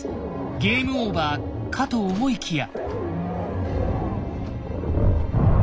ゲームオーバーかと思いきや！